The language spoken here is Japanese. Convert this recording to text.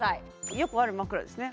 よくある枕ですね